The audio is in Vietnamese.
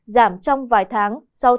giảm trong vài tháng sau ba năm